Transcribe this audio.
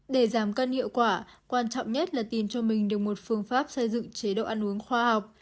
để giảm cân hiệu quả quan trọng nhất là tìm cho mình được một phương pháp xây dựng chế độ ăn uống khoa học